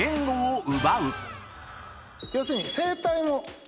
要するに。